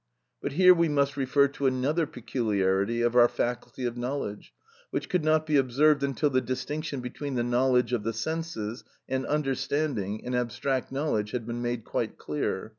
But here we must refer to another peculiarity of our faculty of knowledge, which could not be observed until the distinction between the knowledge of the senses and understanding and abstract knowledge had been made quite clear.